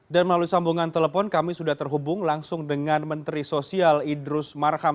dan melalui sambungan telepon kami sudah terhubung langsung dengan menteri sosial idrus markham